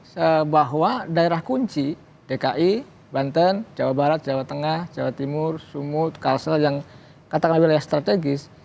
saya bahwa daerah kunci dki banten jawa barat jawa tengah jawa timur sumut kalsel yang katakanlah wilayah strategis